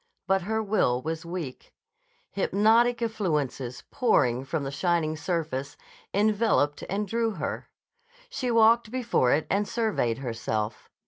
But her will was weak. Hypnotic effluences, pouring from the shining surface, enveloped and drew her. She walked before it and surveyed herself.